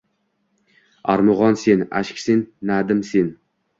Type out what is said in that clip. Аrmugʼon sen, ashk sen, nadim sen.